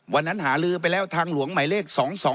วันนั้นหาลือไปแล้วทางหลวงหมายเลข๒๒